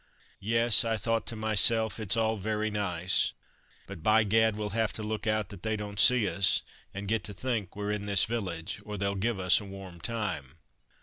"Yes," I thought to myself, "it's all very nice, but, by Gad, we'll have to look out that they don't see us, and get to think we're in this village, or they'll give us a warm time."